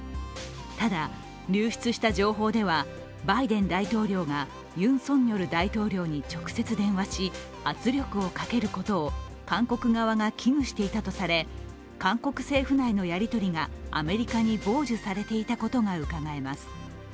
ただ、流出した情報ではバイデン大統領がユン・ソンニョル大統領に直接電話し、圧力をかけることを韓国側が危惧していたとされ韓国政府内のやりとりがアメリカに傍受されていたことがうかがえます。